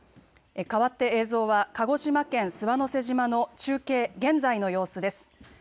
かわって映像は鹿児島県諏訪之瀬島の中継、現在の様子です。